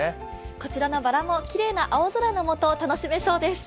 こちらのバラもきれいな青空のもと、楽しめそうです。